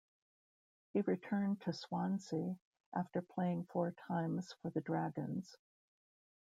He returned to Swansea after playing four times for the Dragons.